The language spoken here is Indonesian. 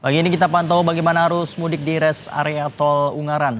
pagi ini kita pantau bagaimana arus mudik di res area tol ungaran